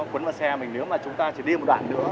quấn vào xe mình nếu mà chúng ta chỉ đi một đoạn nữa